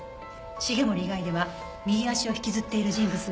繁森以外では右足を引きずっている人物が１人。